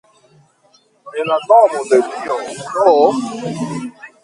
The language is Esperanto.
En la nomo de Dio do!